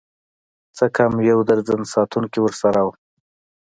څه کم يو درجن ساتونکي ورسره وو.